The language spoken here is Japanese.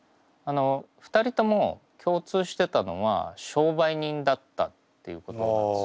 ２人とも共通してたのは商売人だったということなんです。